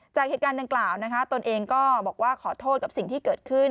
จากเหตุการณ์ดังกล่าวนะคะตนเองก็บอกว่าขอโทษกับสิ่งที่เกิดขึ้น